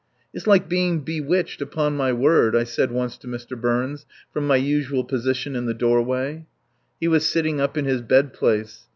"It's like being bewitched, upon my word," I said once to Mr. Burns, from my usual position in the doorway. He was sitting up in his bed place.